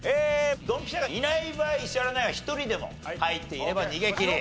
ドンピシャがいない場合石原ナインは１人でも入っていれば逃げきり。